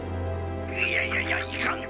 いやいやいやいかん！